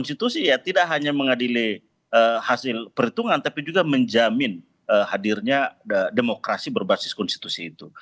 nah untuk itu maka tentunya mk ya tidak hanya mengadili hasil perhitungan tapi juga menjamin hadirnya demokrasi berbasis konstitusi itu